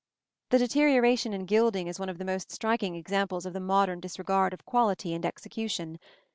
The deterioration in gilding is one of the most striking examples of the modern disregard of quality and execution.